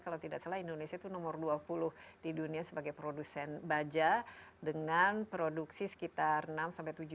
kalau tidak salah indonesia itu nomor dua puluh di dunia sebagai produsen baja dengan produksi sekitar enam sampai tujuh juta